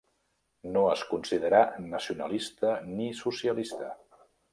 No es considerà nacionalista ni socialista.